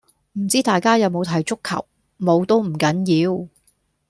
唔知大家有冇睇足球，冇都唔緊要